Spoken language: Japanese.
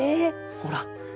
ほら。